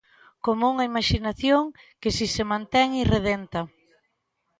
Como unha imaxinación que si se mantén irredenta.